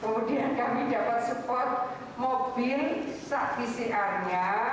kemudian kami dapat support mobil saat pcr nya